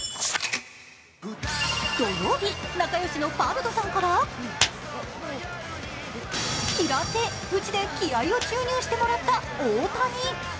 土曜日、仲良しのパルドさんから平手打ちで気合いを注入してもらった大谷。